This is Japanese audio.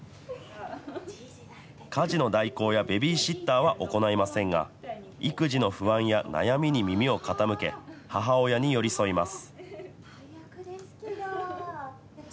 家事の代行やベビーシッターは行いませんが、育児の不安や悩みに耳を傾け、母親に寄り添います。